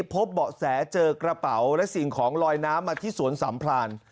พบเบาะแสเจอกระเป๋าและสิ่งของลอยน้ำมาที่สวนสัมพราน